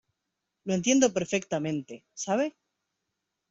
lo entiendo perfectamente. ¿ sabe?